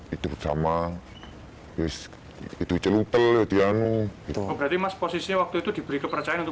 hidup sama itu celubel dianu itu berarti mas posisinya waktu itu diberi kepercayaan untuk